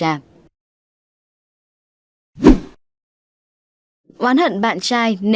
hãy đăng ký kênh để ủng hộ kênh của mình nhé